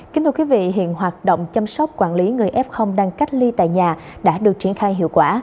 kính thưa quý vị hiện hoạt động chăm sóc quản lý người f đang cách ly tại nhà đã được triển khai hiệu quả